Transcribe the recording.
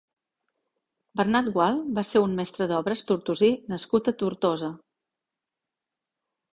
Bernat Gual va ser un meste d'obres tortosí nascut a Tortosa.